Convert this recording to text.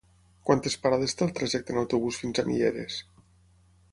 Quantes parades té el trajecte en autobús fins a Mieres?